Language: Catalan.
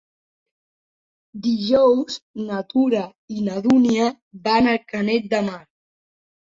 Dijous na Tura i na Dúnia van a Canet de Mar.